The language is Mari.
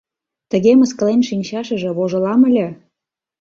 Тыге мыскылен шинчашыже вожылам ыле...